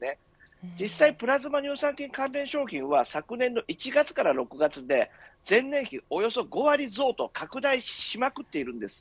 実際プラズマ乳酸菌の関連商品は昨年の１月から６月で前年比およそ５割増と拡大しまくっています。